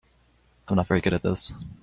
I'm not very good at this.